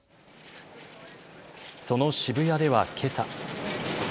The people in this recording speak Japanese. その渋谷ではけさ。